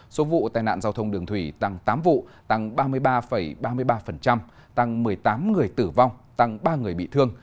số vụ tai nạn giao thông đường thủy tăng tám vụ tăng ba mươi ba ba mươi ba tăng một mươi tám người tử vong tăng ba người bị thương